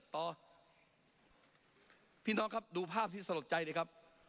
ต่อพี่น้องครับดูภาพที่สลดใจดีครับ